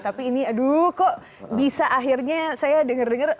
tapi ini aduh kok bisa akhirnya saya denger denger